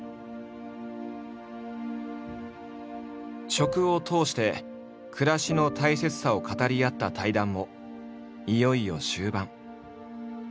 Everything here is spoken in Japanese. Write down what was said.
食を通して暮らしの大切さを語り合った対談もいよいよ終盤。